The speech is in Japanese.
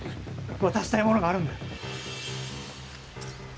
渡したいものがあるんだ。